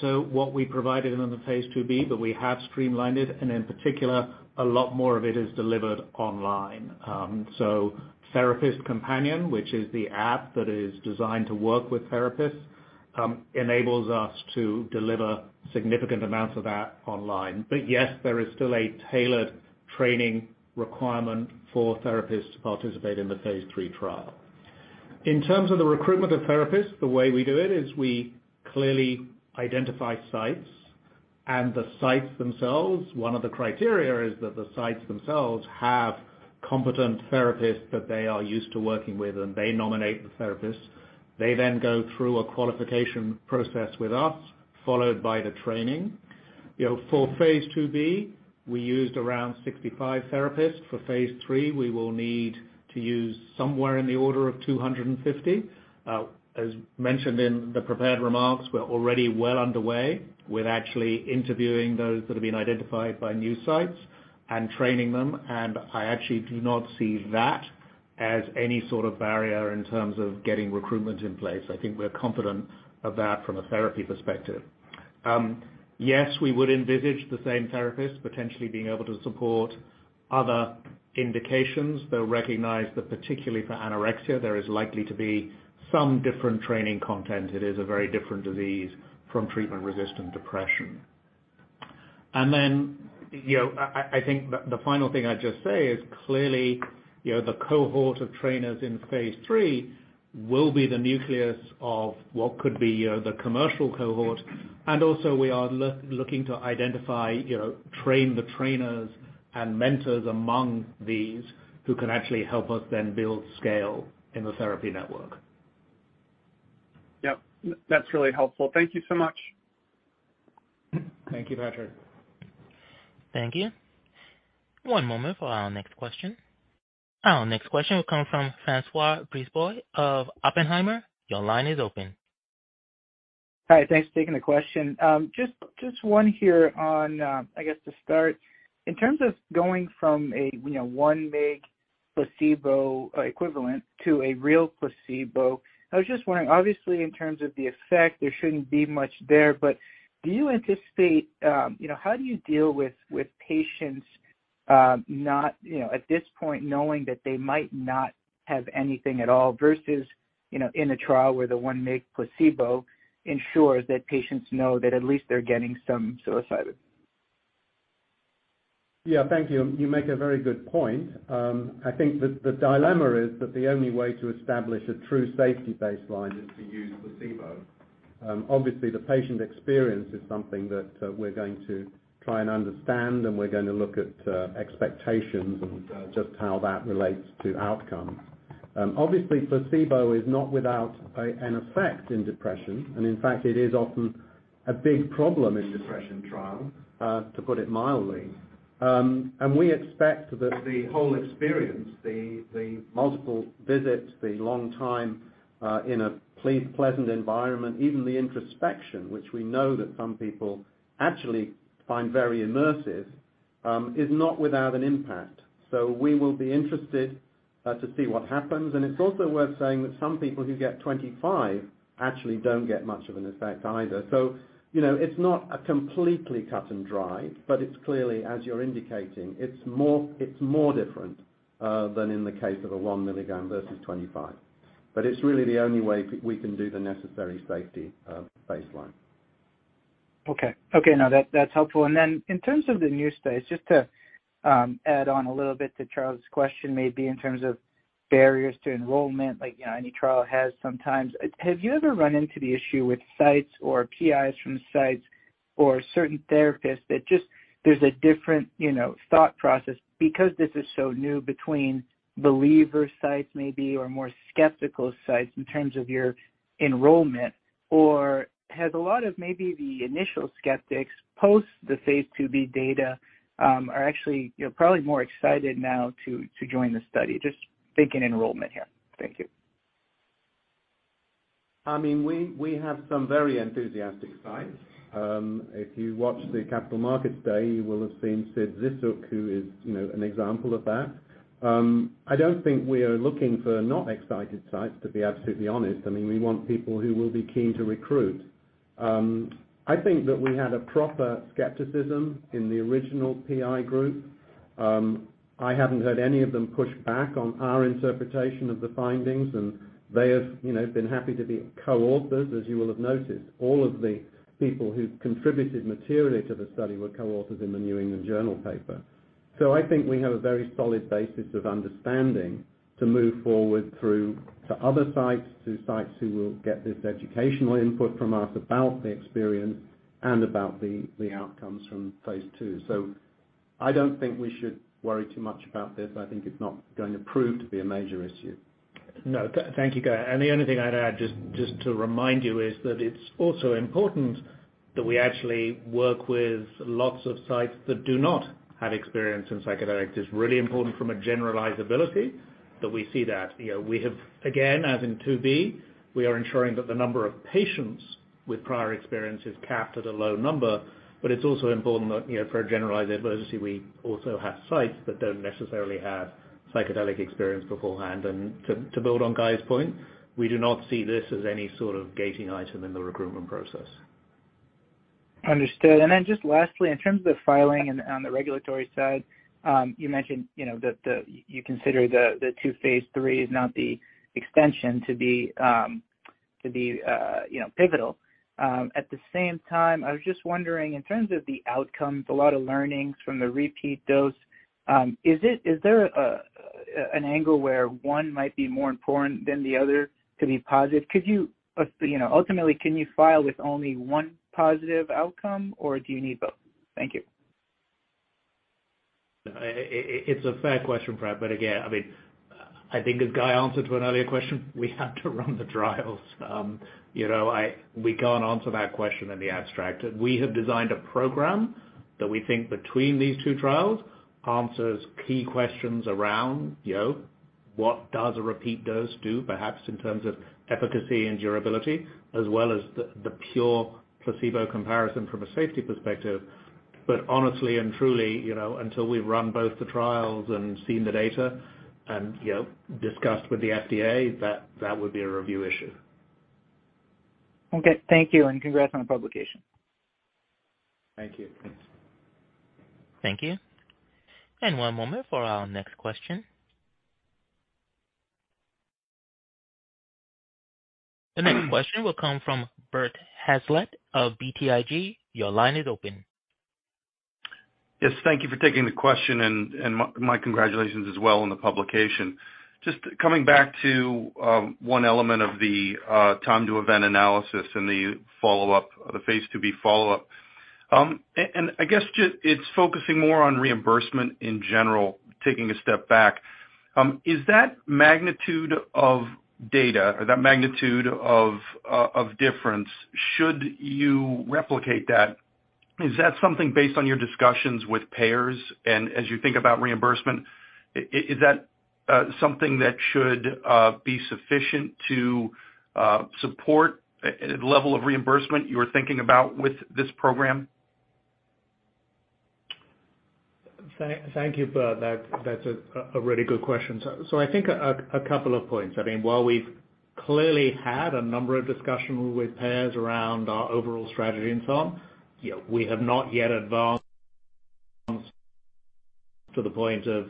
to what we provided in the phase II-B, but we have streamlined it, and in particular, a lot more of it is delivered online. Therapist Companion, which is the app that is designed to work with therapists, enables us to deliver significant amounts of that online. But yes, there is still a tailored training requirement for therapists to participate in the phase III trial. In terms of the recruitment of therapists, the way we do it is we clearly identify sites and the sites themselves. One of the criteria is that the sites themselves have competent therapists that they are used to working with, and they nominate the therapists. They then go through a qualification process with us, followed by the training. You know, for phase II-B, we used around 65 therapists. For phase III, we will need to use somewhere in the order of 250. As mentioned in the prepared remarks, we're already well underway with actually interviewing those that have been identified by new sites and training them. I actually do not see that as any sort of barrier in terms of getting recruitment in place. I think we're confident of that from a therapy perspective. Yes, we would envisage the same therapist potentially being able to support other indications, though recognize that particularly for anorexia, there is likely to be some different training content. It is a very different disease from treatment-resistant depression. You know, I think the final thing I'd just say is clearly, you know, the cohort of trainers in phase III will be the nucleus of what could be, you know, the commercial cohort. Also we are looking to identify, you know, train the trainers and mentors among these who can actually help us then build scale in the therapy network. Yep. That's really helpful. Thank you so much. Thank you, Patrick. Thank you. One moment for our next question. Our next question will come from François Brisebois of Oppenheimer. Your line is open. Hi. Thanks for taking the question. Just one here on, I guess to start. In terms of going from a, you know, one-make placebo equivalent to a real placebo, I was just wondering, obviously in terms of the effect, there shouldn't be much there. Do you anticipate, you know, how do you deal with patients not, you know, at this point knowing that they might not have anything at all versus, you know, in a trial where the one-make placebo ensures that patients know that at least they're getting some psilocybin? Yeah, thank you. You make a very good point. I think that the dilemma is that the only way to establish a true safety baseline is to use placebo. Obviously the patient experience is something that we're going to try and understand, and we're gonna look at expectations and just how that relates to outcomes. Obviously placebo is not without an effect in depression, and in fact, it is often a big problem in depression trial, to put it mildly. We expect that the whole experience, the the multiple visits, the long time in a pleasant environment, even the introspection, which we know that some people actually find very immersive, is not without an impact. We will be interested to see what happens. It's worth saying that some people who get 25 mg actually don't get much of an effect either. You know, it's not a completely cut and dried, but it's clearly, as you're indicating, it's more different than in the case of a 1 mg versus 25 mg. It's really the only way we can do the necessary safety baseline. Okay. No, that's helpful. Then in terms of the new space, just to add on a little bit to Charles' question, maybe in terms of barriers to enrollment, like, you know, any trial has sometimes. Have you ever run into the issue with sites or PIs from sites or certain therapists that just there's a different, you know, thought process because this is so new between believer sites maybe or more skeptical sites in terms of your enrollment? Or has a lot of maybe the initial skeptics post the phase II-B data, are actually, you know, probably more excited now to join the study? Just thinking enrollment here. Thank you. I mean, we have some very enthusiastic sites. If you watched the Capital Markets Day, you will have seen Sidney Zisook, who is, you know, an example of that. I don't think we are looking for not excited sites, to be absolutely honest. I mean, we want people who will be keen to recruit. I think that we had a proper skepticism in the original PI group. I haven't heard any of them push back on our interpretation of the findings, and they have, you know, been happy to be co-authors, as you will have noticed, all of the people who contributed materially to the study were co-authors in the New England Journal paper. I think we have a very solid basis of understanding to move forward through to other sites, to sites who will get this educational input from us about the experience and about the outcomes from phase II. I don't think we should worry too much about this. I think it's not going to prove to be a major issue. No. Thank you, Guy. The only thing I'd add, just to remind you, is that it's also important that we actually work with lots of sites that do not have experience in psychedelics. It's really important from a generalizability that we see that. You know, we have, again, as in phase II-B, we are ensuring that the number of patients with prior experience is capped at a low number. But it's also important that, you know, for generalizability, we also have sites that don't necessarily have psychedelic experience beforehand. To build on Guy's point, we do not see this as any sort of gating item in the recruitment process. Understood. Just lastly, in terms of the filing and on the regulatory side, you mentioned, you know, that you consider the two phase IIIs, not the extension, to be pivotal. At the same time, I was just wondering, in terms of the outcomes, a lot of learnings from the repeat dose, is there an angle where one might be more important than the other to be positive? Could you know, ultimately, can you file with only one positive outcome or do you need both? Thank you. It's a fair question, Brad, but again, I mean, I think as Guy answered to an earlier question, we have to run the trials. You know, we can't answer that question in the abstract. We have designed a program that we think between these two trials answers key questions around, you know, what does a repeat dose do perhaps in terms of efficacy and durability as well as the pure placebo comparison from a safety perspective. Honestly and truly, you know, until we've run both the trials and seen the data and, you know, discussed with the FDA, that would be a review issue. Okay. Thank you, and congrats on the publication. Thank you. Thanks. Thank you. One moment for our next question. The next question will come from Bert Hazlett of BTIG. Your line is open. Yes, thank you for taking the question, and my congratulations as well on the publication. Just coming back to one element of the time to event analysis and the follow-up, the phase II-B follow-up. I guess it's focusing more on reimbursement in general, taking a step back. Is that magnitude of data or that magnitude of difference should you replicate that, is that something based on your discussions with payers and as you think about reimbursement, is that something that should be sufficient to support a level of reimbursement you were thinking about with this program? Thank you, Bert. That's a really good question. I think a couple of points. I mean, while we've clearly had a number of discussions with payers around our overall strategy and so on, you know, we have not yet advanced to the point of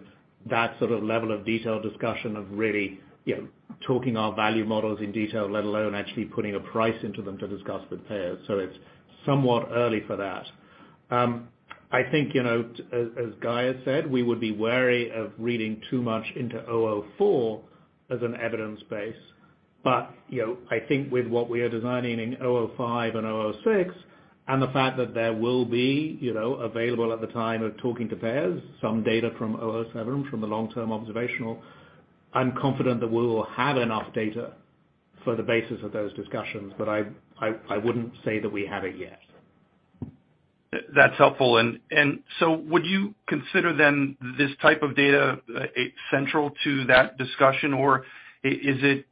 that sort of level of detail discussion of really, you know, talking our value models in detail, let alone actually putting a price into them to discuss with payers. It's somewhat early for that. I think, you know, as Guy has said, we would be wary of reading too much into COMP004 as an evidence base. You know, I think with what we are designing in COMP005 and COMP006 and the fact that there will be, you know, available at the time of talking to payers, some data from COMP007, from the long-term observational. I'm confident that we will have enough data for the basis of those discussions. I wouldn't say that we have it yet. That's helpful. So would you consider then this type of data central to that discussion, or is it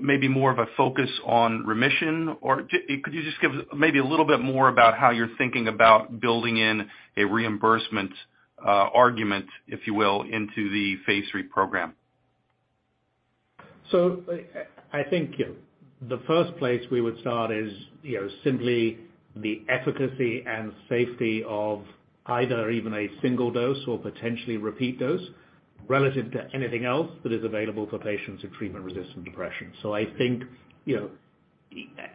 maybe more of a focus on remission? Or could you just give maybe a little bit more about how you're thinking about building in a reimbursement argument, if you will, into the phase III program? I think the first place we would start is, you know, simply the efficacy and safety of either even a single dose or potentially repeat dose relative to anything else that is available for patients with treatment-resistant depression. I think, you know,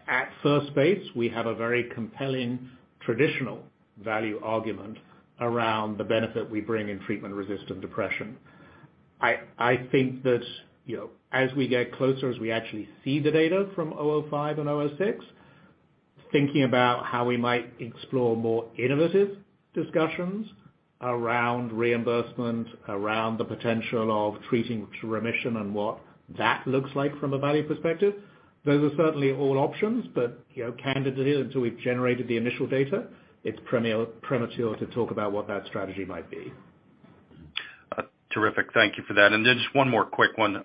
at first base, we have a very compelling traditional value argument around the benefit we bring in treatment-resistant depression. I think that, you know, as we get closer, as we actually see the data from COMP005 and COMP006, thinking about how we might explore more innovative discussions around reimbursement, around the potential of treating to remission and what that looks like from a value perspective, those are certainly all options. You know, candidly, until we've generated the initial data, it's premature to talk about what that strategy might be. Terrific. Thank you for that. Just one more quick one.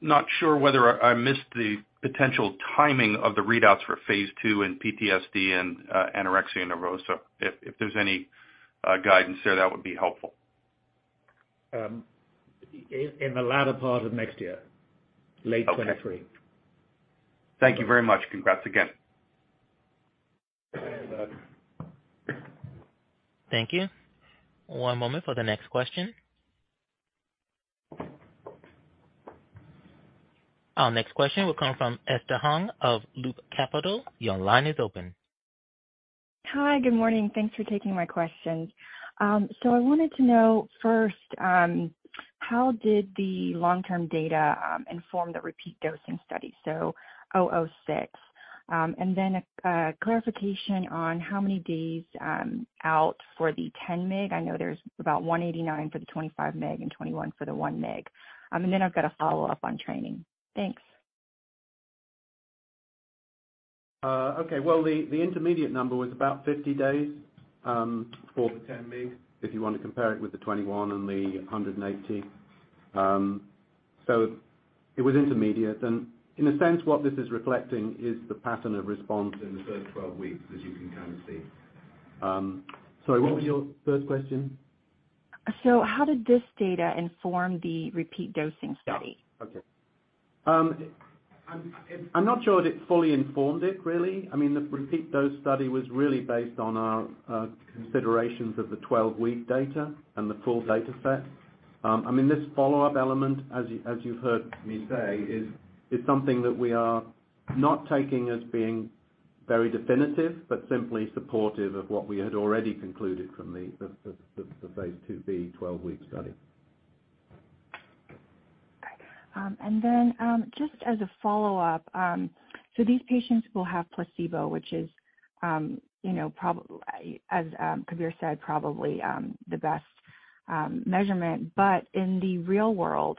Not sure whether I missed the potential timing of the readouts for phase II in PTSD and anorexia nervosa. If there's any guidance there, that would be helpful. In the latter part of next year. Okay. Late 2023. Thank you very much. Congrats again. Thank you. One moment for the next question. Our next question will come from Esther Hong of Loop Capital. Your line is open. Hi, good morning. Thanks for taking my questions. I wanted to know first, how did the long-term data inform the repeat dosing study, COMP006. A clarification on how many days out for the 10 mg. I know there's about 189 for the 25 mg and 21 for the 1 mg. I've got a follow-up on training. Thanks. Okay. Well, the intermediate number was about 50 days for the 10 mg, if you want to compare it with the 21 and the 180. It was intermediate. In a sense what this is reflecting is the pattern of response in the first 12 weeks, as you can kind of see. Sorry, what was your first question? How did this data inform the repeat dosing study? Yeah. Okay. I'm not sure that it fully informed it, really. I mean, the repeat dose study was really based on our considerations of the 12-week data and the full data set. I mean, this follow-up element, as you've heard me say, is something that we are not taking as being very definitive, but simply supportive of what we had already concluded from the phase II-B 12-week study. Just as a follow-up, these patients will have placebo, which is, you know, probably as Kabir said, the best measurement. In the real world,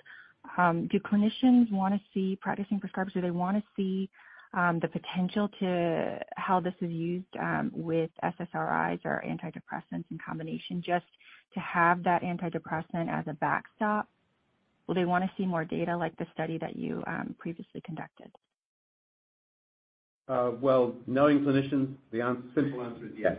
do clinicians wanna see practicing prescribers, do they wanna see the potential to how this is used with SSRIs or antidepressants in combination just to have that antidepressant as a backstop? Will they wanna see more data like the study that you previously conducted? Well, knowing clinicians, the simple answer is yes.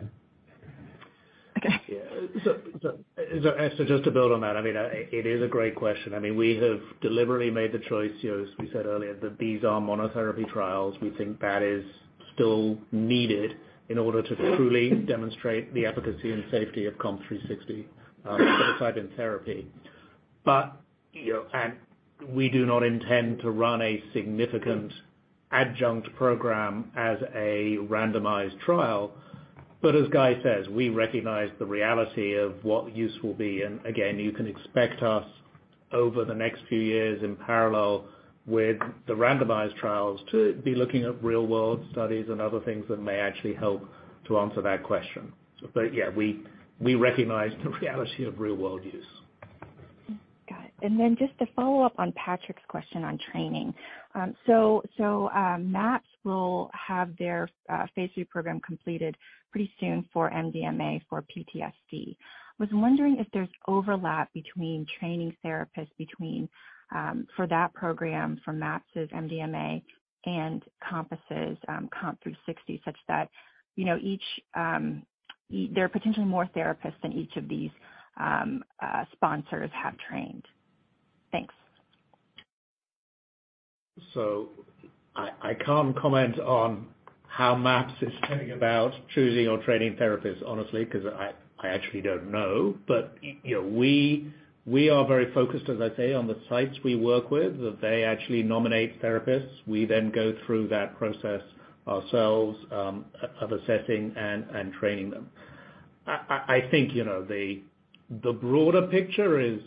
Okay. Yeah. Esther, just to build on that. I mean, it is a great question. I mean, we have deliberately made the choice here, as we said earlier, that these are monotherapy trials. We think that is still needed in order to truly demonstrate the efficacy and safety of COMP360 psilocybin therapy. You know, we do not intend to run a significant adjunct program as a randomized trial. As Guy says, we recognize the reality of what use will be. Again, you can expect us over the next few years in parallel with the randomized trials to be looking at real world studies and other things that may actually help to answer that question. Yeah, we recognize the reality of real world use. Got it. Then just to follow up on Patrick's question on training. MAPS will have their phase III program completed pretty soon for MDMA for PTSD. Was wondering if there's overlap between training therapists for that program from MAPS' MDMA and COMPASS's COMP360, such that, you know, there are potentially more therapists than each of these sponsors have trained. Thanks. I can't comment on how MAPS is going about choosing or training therapists, honestly, 'cause I actually don't know. You know, we are very focused, as I say, on the sites we work with. They actually nominate therapists. We then go through that process ourselves, of assessing and training them. I think, you know, the broader picture is,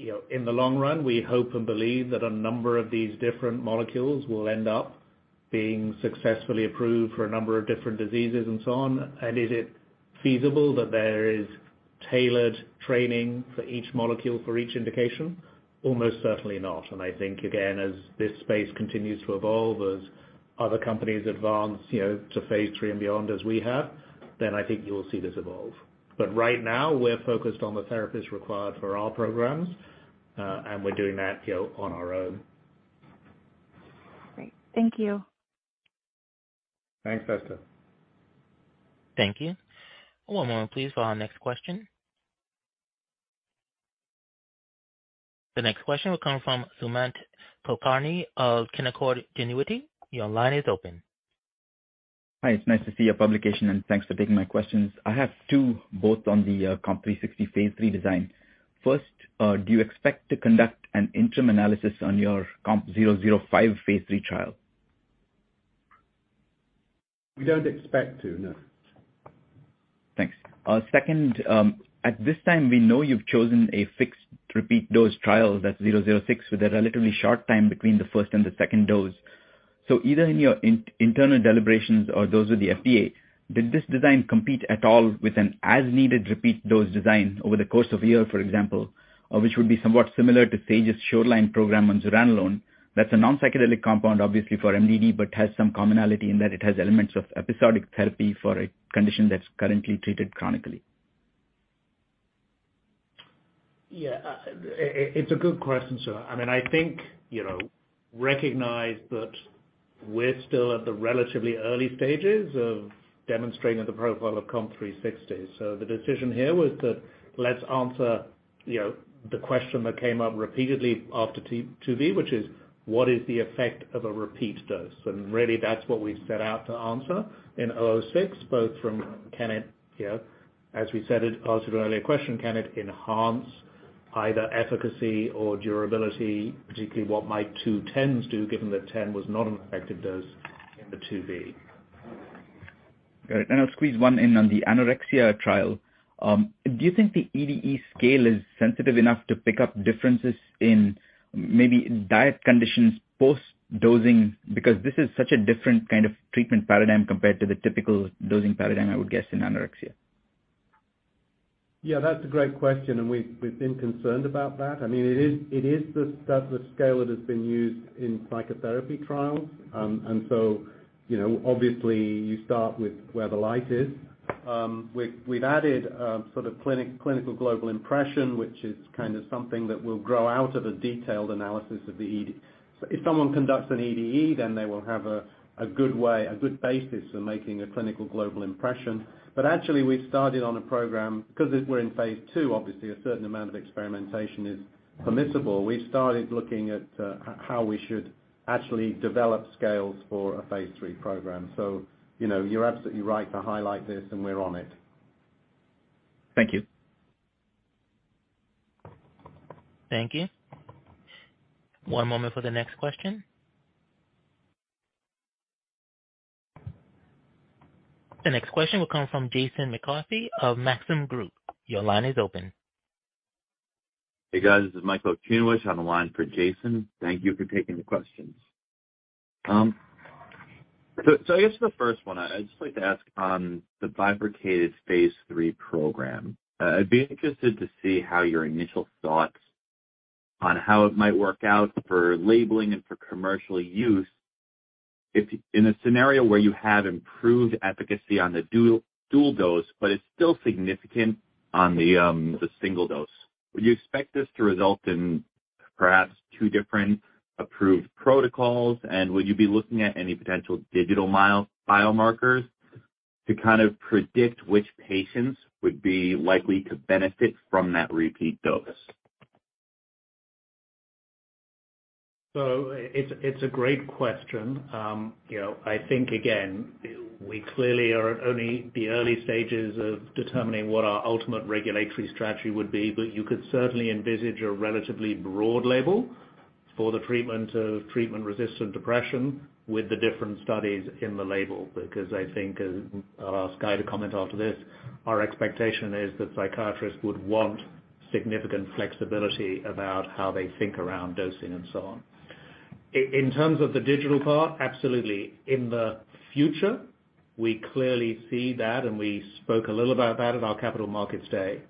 you know, in the long run, we hope and believe that a number of these different molecules will end up being successfully approved for a number of different diseases and so on. Is it feasible that there is tailored training for each molecule, for each indication? Almost certainly not. I think again, as this space continues to evolve, as other companies advance, you know, to phase III and beyond as we have, then I think you will see this evolve. Right now, we're focused on the therapists required for our programs, and we're doing that, you know, on our own. Great. Thank you. Thanks, Esther. Thank you. One moment please for our next question. The next question will come from Sumant Kulkarni of Canaccord Genuity. Your line is open. Hi. It's nice to see a publication, and thanks for taking my questions. I have two, both on the COMP360 phase III design. First, do you expect to conduct an interim analysis on your COMP005 phase III trial? We don't expect to, no. Thanks. Second, at this time, we know you've chosen a fixed repeat dose trial. That's COMP006, with a relatively short time between the first and the second dose. Either in your internal deliberations or those with the FDA, did this design compete at all with an as needed repeat dose design over the course of a year, for example, which would be somewhat similar to Sage's LANDSCAPE program on zuranolone. That's a non-psychedelic compound obviously for MDD, but has some commonality in that it has elements of episodic therapy for a condition that's currently treated chronically. Yeah. It's a good question, so I mean, I think, you know, recognize that we're still at the relatively early stages of demonstrating the profile of COMP360. The decision here was that let's answer, you know, the question that came up repeatedly after phase II-B, which is what is the effect of a repeat dose. Really that's what we've set out to answer in COMP006, both from Kenneth, you know. As we said, it asked an earlier question, can it enhance either efficacy or durability, particularly what might two 10s do, given that 10mg was not an effective dose in the phase II-B. Great. I'll squeeze one in on the anorexia trial. Do you think the EDE scale is sensitive enough to pick up differences in maybe diet conditions post-dosing? Because this is such a different kind of treatment paradigm compared to the typical dosing paradigm, I would guess, in anorexia. Yeah, that's a great question, and we've been concerned about that. I mean, it is the scale that has been used in psychotherapy trials. You know, obviously you start with where the light is. We've added sort of clinical global impression, which is kind of something that will grow out of a detailed analysis of the EDE. If someone conducts an EDE, then they will have a good way, a good basis for making a clinical global impression. Actually, we started on a program because if we're in phase II, obviously a certain amount of experimentation is permissible. We started looking at how we should actually develop scales for phase III program. You know, you're absolutely right to highlight this and we're on it. Thank you. Thank you. One moment for the next question. The next question will come from Jason McCarthy of Maxim Group. Your line is open. Hey, guys. This is Michael Okunewitch on the line for Jason. Thank you for taking the questions. I guess the first one, I'd just like to ask, the bifurcated phase III program. I'd be interested to see your initial thoughts on how it might work out for labeling and for commercial use in a scenario where you have improved efficacy on the dual dose, but it's still significant on the single dose. Would you expect this to result in perhaps two different approved protocols? And would you be looking at any potential digital biomarkers to kind of predict which patients would be likely to benefit from that repeat dose? It's a great question. You know, I think again, we clearly are at only the early stages of determining what our ultimate regulatory strategy would be. You could certainly envisage a relatively broad label for the treatment of treatment-resistant depression with the different studies in the label. Because I think, and I'll ask Guy to comment after this, our expectation is that psychiatrists would want significant flexibility about how they think around dosing and so on. In terms of the digital part, absolutely. In the future, we clearly see that, and we spoke a little about that at our Capital Markets Day.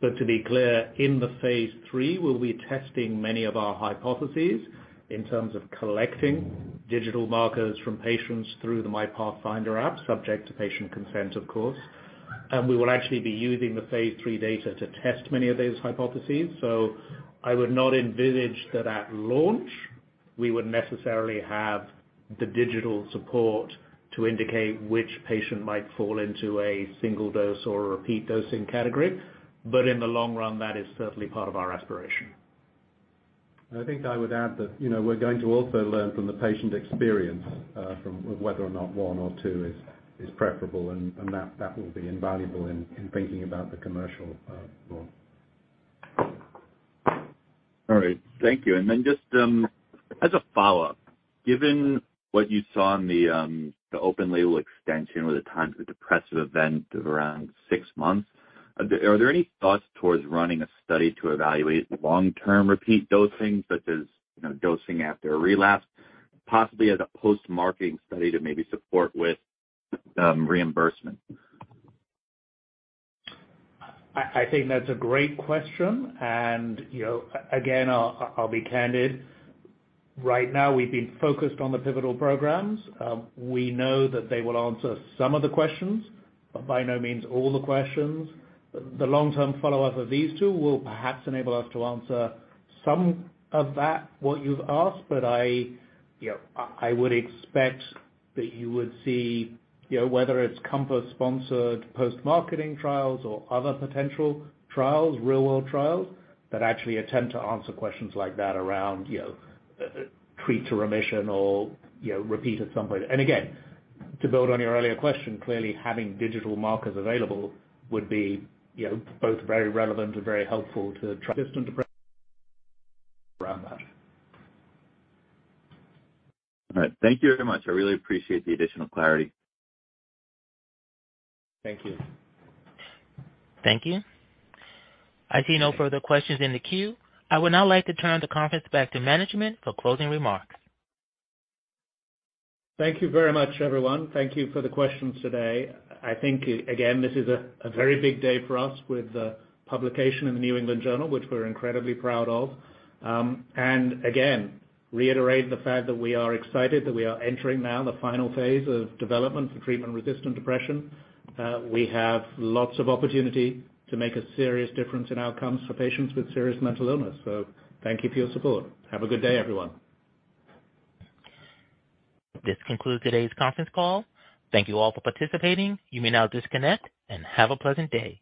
To be clear, in the phase III, we'll be testing many of our hypotheses in terms of collecting digital markers from patients through the MyPathfinder app, subject to patient consent, of course. We will actually be using the phase III data to test many of those hypotheses. I would not envisage that at launch we would necessarily have the digital support to indicate which patient might fall into a single dose or a repeat dosing category. In the long run, that is certainly part of our aspiration. I think I would add that, you know, we're going to also learn from the patient experience, from whether or not one or two is preferable and that will be invaluable in thinking about the commercial role. All right. Thank you. Just, as a follow-up, given what you saw in the open label extension with the times of depressive event of around six months, are there any thoughts towards running a study to evaluate long-term repeat dosing, such as, you know, dosing after a relapse, possibly as a post-marketing study to maybe support with reimbursement? I think that's a great question. You know, again, I'll be candid. Right now, we've been focused on the pivotal programs. We know that they will answer some of the questions, but by no means all the questions. The long-term follow-up of these two will perhaps enable us to answer some of that what you've asked. You know, I would expect that you would see, you know, whether it's COMPASS-sponsored post-marketing trials or other potential trials, real-world trials that actually attempt to answer questions like that around, you know, treat to remission or, you know, repeat at some point. Again, to build on your earlier question, clearly having digital markers available would be, you know, both very relevant and very helpful to treatment-resistant depression around that. All right. Thank you very much. I really appreciate the additional clarity. Thank you. Thank you. I see no further questions in the queue. I would now like to turn the conference back to management for closing remarks. Thank you very much, everyone. Thank you for the questions today. I think again, this is a very big day for us with the publication in the New England Journal, which we're incredibly proud of. Reiterate the fact that we are excited that we are entering now the final phase of development for treatment-resistant depression. We have lots of opportunity to make a serious difference in outcomes for patients with serious mental illness. Thank you for your support. Have a good day, everyone. This concludes today's conference call. Thank you all for participating. You may now disconnect and have a pleasant day.